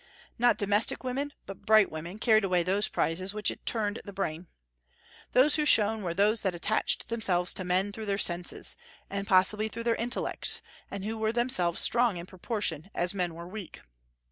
Not domestic women, but bright women, carried away those prizes which turned the brain. Those who shone were those that attached themselves to men through their senses, and possibly through their intellects, and who were themselves strong in proportion as men were weak.